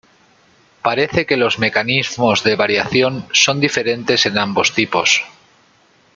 Parece que los mecanismos de variación son diferentes en ambos tipos.